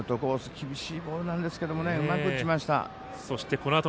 厳しいボールなんですけどもねうまく打ちました。